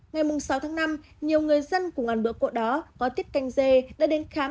ngày mùng sáu tháng năm nhiều người dân cùng ăn bữa cốt đó có tiết canh dê đã đến khám